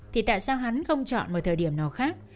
thì tại sao hắn không chọn một thời điểm nào khác